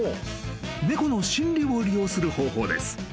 猫の心理を利用する方法です］